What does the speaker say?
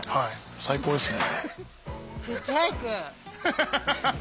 最高ですね。